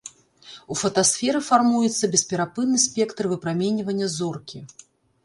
У фотасферы фармуецца бесперапынны спектр выпраменьвання зоркі.